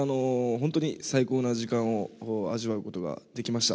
本当に最高な時間を味わうことができました。